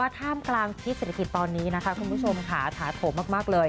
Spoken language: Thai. ท่ามกลางพิษเศรษฐกิจตอนนี้นะคะคุณผู้ชมค่ะถาโถมมากเลย